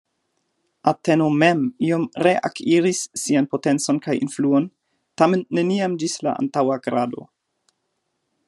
Ateno mem iom reakiris sian potencon kaj influon, tamen neniam ĝis la antaŭa grado.